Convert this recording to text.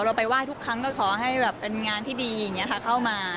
เราไปไหว้ทุกครั้งก็ขอให้แบบเป็นงานที่ดีอย่างนี้ค่ะเข้ามา